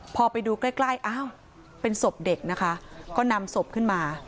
พอไปดูใกล้ใกล้อ้าวเป็นศพเด็กนะคะก็นำศพขึ้นมา